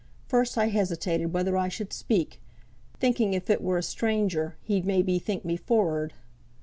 First I hesitated whether I should speak, thinking if it were a stranger he'd may be think me forrard.